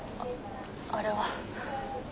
あれは。